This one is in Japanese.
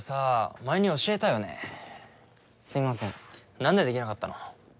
何でできなかったの？